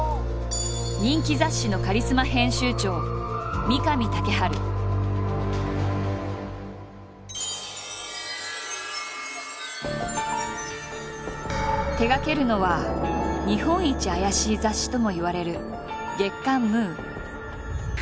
人気雑誌のカリスマ編集長手がけるのは「日本一アヤシイ雑誌」ともいわれる月刊「ムー」。